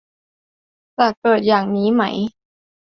จะเกิดอย่างนี้ไหม ?